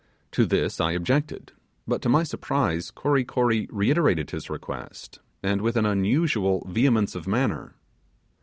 To this I objected; but, to my surprise, Kory Kory reiterated his request, and with an unusual vehemence of manner.